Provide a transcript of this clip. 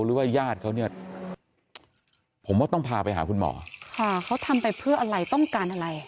หรือว่าญาติเขาเนี่ยผมว่าต้องพาไปหาคุณหมอค่ะเขาทำไปเพื่ออะไรต้องการอะไร